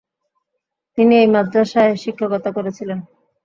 তিনি এই মাদ্রাসায় শিক্ষকতা করেছিলেন।